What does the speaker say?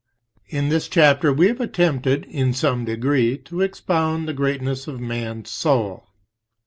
In this chapter we have attempted, in some degree, to expound, the greatness of man's soul.